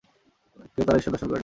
কেউ তারা ঈশ্বর দর্শন করেননি।